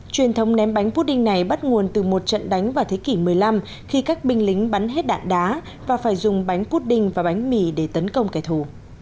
truyền thông ném bánh pudding này bắt nguồn từ một trận đánh vào thế kỷ một mươi năm khi các binh lính bắn hết đạn đá và phải dùng bánh pudding và bánh mì để tấn công kẻ thù